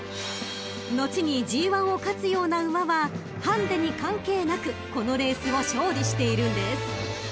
［後にＧⅠを勝つような馬はハンデに関係なくこのレースを勝利しているんです］